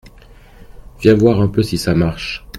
Viens voir un peu si ça marche.